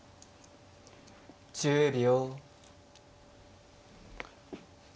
１０秒。